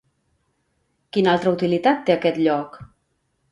Quina altra utilitat té aquest lloc?